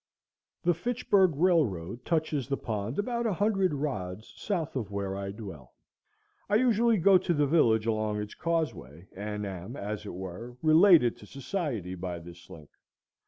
The Fitchburg Railroad touches the pond about a hundred rods south of where I dwell. I usually go to the village along its causeway, and am, as it were, related to society by this link.